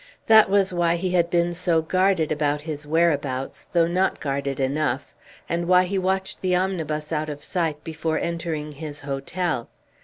That was why he had been so guarded about his whereabouts though not guarded enough and why he watched the omnibus out of sight before entering his hotel.